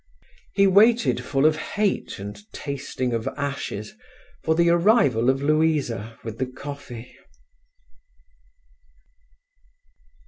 He waited, full of hate and tasting of ashes, for the arrival of Louisa with the coffee.